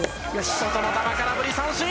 外から空振り三振！